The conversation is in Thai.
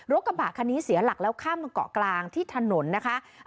กระบะคันนี้เสียหลักแล้วข้ามตรงเกาะกลางที่ถนนนะคะ